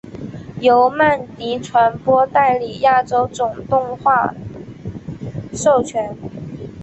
由曼迪传播代理亚洲总动画授权。